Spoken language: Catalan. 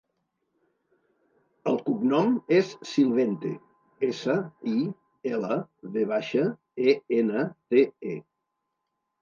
El cognom és Silvente: essa, i, ela, ve baixa, e, ena, te, e.